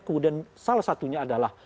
kemudian salah satunya adalah